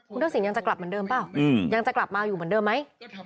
คุณทักษิณยังจะกลับเหมือนเดิมเปล่ายังจะกลับมาอยู่เหมือนเดิมไหม